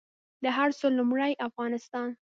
د هر څه لومړۍ افغانستان